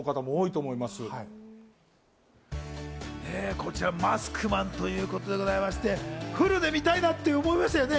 こちら『マスクマン！』ということでございまして、フルで見たいなと思いましたよね？